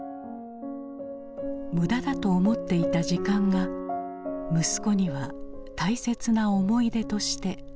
無駄だと思っていた時間が息子には大切な思い出として残っていた。